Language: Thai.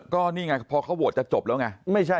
ก็นี่ไงเพราะเขาวหวนจบละไง